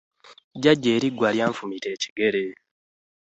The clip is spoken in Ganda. Jjajja eriggwa lyamufumita ekigere.